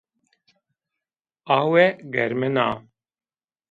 Awe germin a